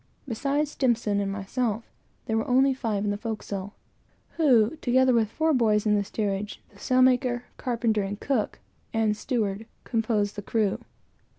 Besides S and myself, there were only five in the forecastle; who, together with four boys in the steerage, the sailmaker, carpenter, etc., composed the whole crew.